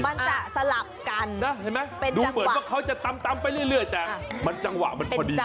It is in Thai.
มันจะสลับกันนะเห็นไหมดูเหมือนว่าเขาจะตำไปเรื่อยแต่มันจังหวะมันพอดี